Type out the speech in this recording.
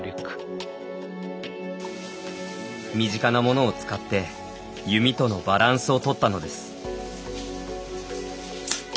身近なものを使って弓とのバランスを取ったのです。